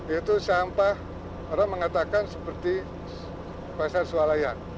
yaitu sampah orang mengatakan seperti pasar sualayan